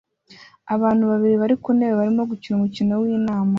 Abantu babiri bari ku ntebe barimo gukina umukino w'inama